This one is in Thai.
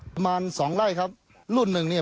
ประมาณสองไร่ครับรุ่นหนึ่งเนี่ย